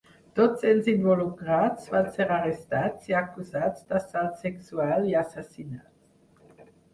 Tots els involucrats van ser arrestats i acusats d'assalt sexual i assassinat.